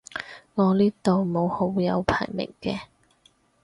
我呢度冇好友排名嘅